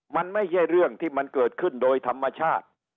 มันไม่ใช่เรื่องที่มันเกิดขึ้นโดยธรรมชาติ